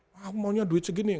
wah maunya duit segitu nih